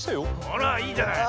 あらいいじゃない。